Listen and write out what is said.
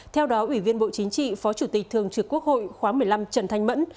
theo đó ủy viên bộ chính trị phó chủ tịch thường trực quốc hội khóa một mươi năm trần thanh mẫn